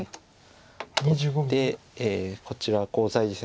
取ってこちらコウ材ですね